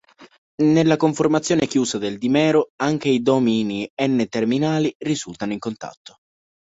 Nella conformazione chiusa del dimero anche i domini N-terminali risultano in contatto.